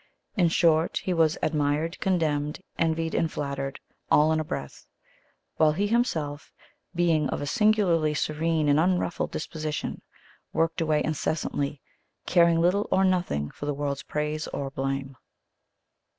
In short, he was admired, condemned, envied, and flattered, all in a breath; while he himself, being of a singularly serene and unruffled disposition, worked away incessantly, caring little or nothing for the world's praise or blame.